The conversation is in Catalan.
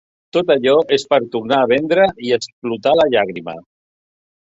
Tot allò és per tornar a vendre i explotar la llàgrima